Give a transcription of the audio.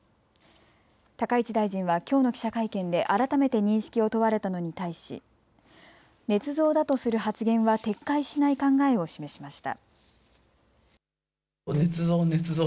高市大臣はきょうの記者会見で改めて認識を問われたのに対しねつ造だとする発言は撤回しない考えを示しました。